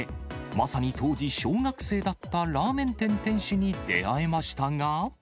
まさに当時小学生だったラーメン店店主に出会えましたが。